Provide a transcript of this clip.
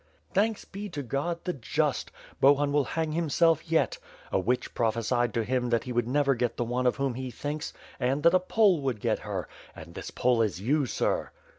"Thanks be to God, the Just! Bohun will hang himself yet. A witch prophecied to him that he would never get the one of whom he thinks, and that a Pole would get her; and this Pole is you, sir!"